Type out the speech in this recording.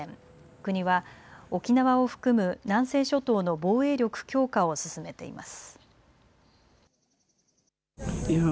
国は沖縄を含む南西諸島の防衛力強化を進めています。